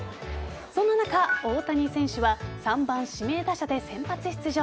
そんな中、大谷選手は３番・指名打者で先発出場。